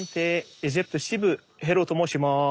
エジプト支部ヘルーと申します。